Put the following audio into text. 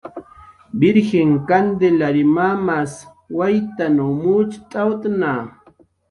Virjin Kantilary mamas waytn mucht'awtna